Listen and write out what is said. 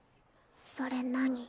それ何？